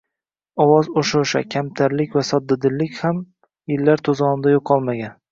Ovoz oʻsha-oʻsha, kamtarlik va soddadillik ham yillar toʻzonida yoʻqolmagan...